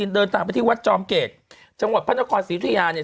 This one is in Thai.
เดินทางไปที่วัดจอมเกตจังหวัดพระนครศรียุธยาเนี่ย